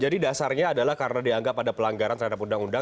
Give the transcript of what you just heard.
jadi dasarnya adalah karena dianggap ada pelanggaran terhadap undang undang